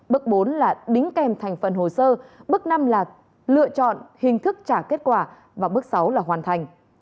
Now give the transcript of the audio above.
bước bốn là đính kèm thành phần hồ sơ bước năm là lựa chọn hình thức trả kết quả và bước sáu là hoàn thành